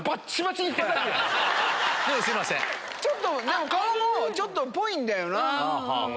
何か顔もちょっとぽいんだよな。